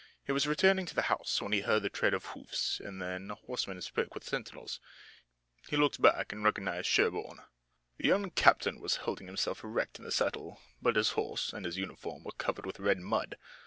He was returning to the house, when he heard the tread of hoofs, and then a horseman spoke with the sentinels. He looked back and recognized Sherburne. The young captain was holding himself erect in the saddle, but his horse and his uniform were covered with red mud.